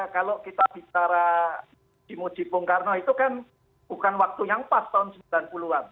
kalau kita bicara di muji bung karno itu kan bukan waktu yang pas tahun sembilan puluh an